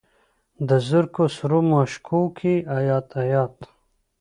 د زرکو سرو مشوکو کې ایات، ایات